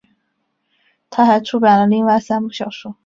她还出版了另外三部小说。